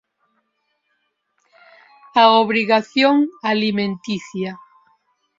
A obrigación alimenticia.